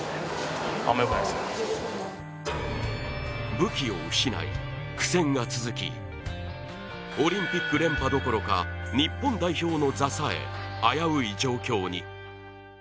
武器を失い、苦戦が続きオリンピック連覇どころか日本代表の座さえ、危うい状況に。